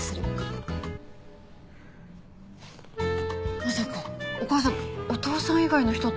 まさかお母さんお父さん以外の人と。